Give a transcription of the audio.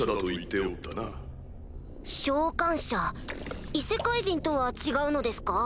召喚者異世界人とは違うのですか？